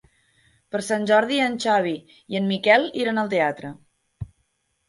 Per Sant Jordi en Xavi i en Miquel iran al teatre.